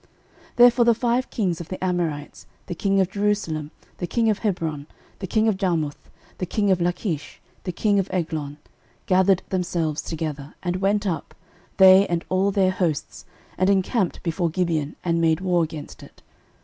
06:010:005 Therefore the five kings of the Amorites, the king of Jerusalem, the king of Hebron, the king of Jarmuth, the king of Lachish, the king of Eglon, gathered themselves together, and went up, they and all their hosts, and encamped before Gibeon, and made war against it.